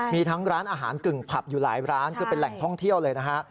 มีทั้งร้านอาหารกึ่งผับอยู่หลายร้านคือเป็นแหล่งท่องเที่ยวเลยนะฮะ